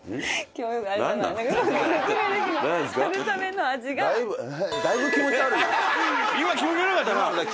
今気持ち悪かったな。